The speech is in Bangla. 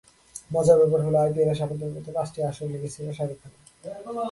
মজার ব্যাপার হলো, আইপিএলে সাফল্য পেতে পাঁচটি আসর লেগেছিল শাহরুখ খানের।